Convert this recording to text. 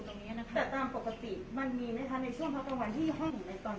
ตรงเนี้ยนะคะแต่ตามปกติมันมีนะคะในช่วงเท่ากันวันที่ห้องในตอน